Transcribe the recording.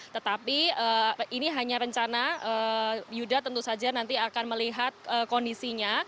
tetapi ini hanya rencana yuda tentu saja nanti akan melihat kondisinya